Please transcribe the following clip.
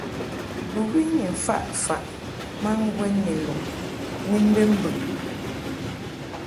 Bɨwi ni mfaʼ ma ŋgwɛn ni lum ni mbeb mbɨŋ.